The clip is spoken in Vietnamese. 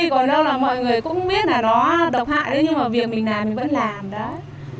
còn đâu là mọi người cũng biết nó độc hại nhưng mà việc mình làm thì mình vẫn làm